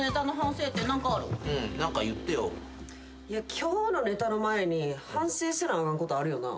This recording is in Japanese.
いや今日のネタの前に反省せなあかんことあるよな？